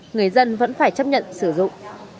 người dân vẫn phải chấp nhận sử dụng